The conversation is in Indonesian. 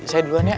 saya duluan ya